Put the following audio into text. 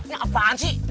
ini apaan sih